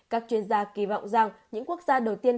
các chuyên gia kỳ vọng rằng những quốc gia đầu tiên